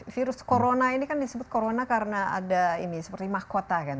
virus corona ini kan disebut corona karena ada ini seperti mahkota kan